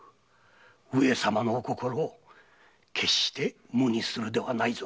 上様の御心決して無にするではないぞ。